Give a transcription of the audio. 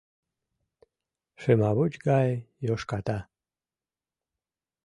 Шымавуч гае йошката